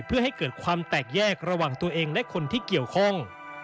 เพื่อให้เกิดความแตกแยกระหว่างตัวเองและคนที่เกี่ยวข้อง